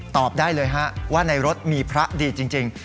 ตอบได้เลยฮะว่าในรถมีพระดีจริง